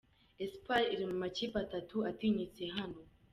Espoir iri mu makipe atatu atinyitse hano.